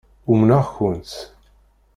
Umneɣ-kent.